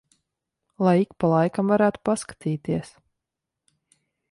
Lai ik pa laikam varētu paskatīties.